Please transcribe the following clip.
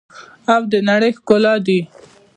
او د نړۍ ښکلا دي.